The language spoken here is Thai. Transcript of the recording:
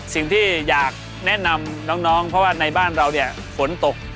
สิ่งที่อยากแนะนำน้องเพราะว่าในบ้านเราเนี่ยฝนตก